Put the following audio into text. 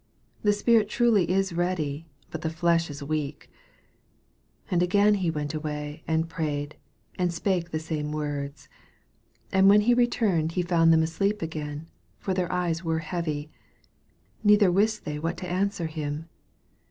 The spirit truly is ready, but the flesh is weak. 39 And again he went away, and prayed, and spake the same words. 40 And when he returned, he found them asleep again (for their eyes were heavy), neither wist they what to an swer him.